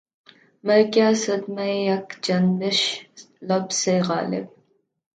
مر گیا صدمۂ یک جنبش لب سے غالبؔ